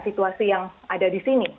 situasi yang ada di sini